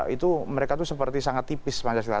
itu mereka tuh seperti sangat tipis pancasila